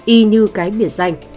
y như cái biệt danh